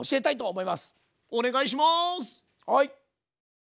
はい。